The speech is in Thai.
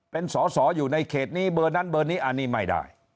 เป็นสอสออยู่ในเขตนี้เบอร์นั้นเบอร์นี้อันนี้ไม่ได้